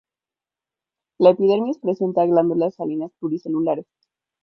La epidermis presenta glándulas salinas pluricelulares.